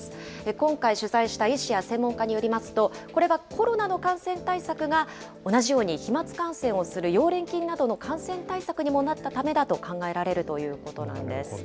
今回取材した医師や専門家によりますと、これはコロナの感染対策が同じように飛まつ感染をする溶連菌などの感染対策にもなったためだと考えられるということなんです。